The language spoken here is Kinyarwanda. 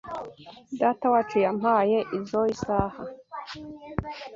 Datawacu yampaye izoi saha.